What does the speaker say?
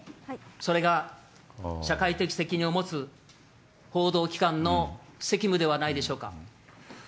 それが社会的責任を持つ報道機関の責務ではないでしょうか。